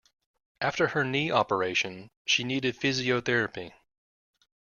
After her knee operation, she needed physiotherapy